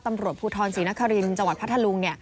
ตำรวจภูทรศรีนครินทร์จังหวัดพัทธลุง